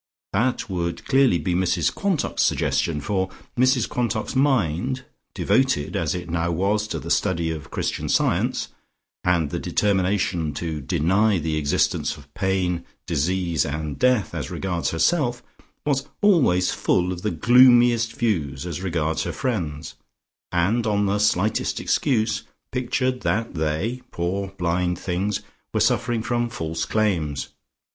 That would clearly be Mrs Quantock's suggestion, for Mrs Quantock's mind, devoted as it was now to the study of Christian Science, and the determination to deny the existence of pain, disease and death as regards herself, was always full of the gloomiest views as regards her friends, and on the slightest excuse, pictured that they, poor blind things, were suffering from false claims.